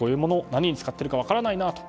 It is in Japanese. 何に使っているか分からないなと。